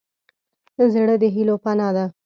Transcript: زړه د هيلو پناه ده.